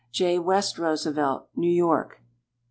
J. West Roosevelt, New York.